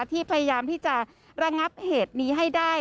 พยายามที่จะระงับเหตุนี้ให้ได้